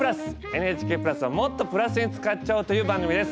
ＮＨＫプラスをもっとプラスに使っちゃおうという番組です。